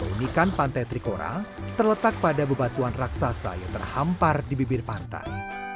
keunikan pantai trikora terletak pada bebatuan raksasa yang terhampar di bibir pantai